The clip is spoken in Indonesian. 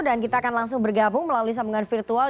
dan kita akan langsung bergabung melalui sambungan virtual